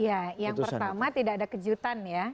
iya yang pertama tidak ada kejutan ya